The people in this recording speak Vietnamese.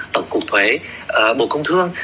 tổng cụ thuế bộ công thương